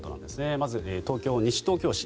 まず東京・西東京市。